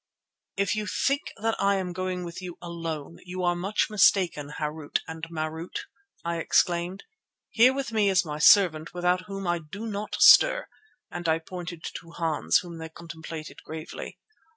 "If you think that I am going with you alone, you are much mistaken, Harût and Marût," I exclaimed. "Here with me is my servant without whom I do not stir," and I pointed to Hans, whom they contemplated gravely.